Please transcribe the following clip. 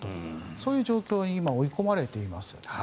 そういう状況に今、追い込まれています。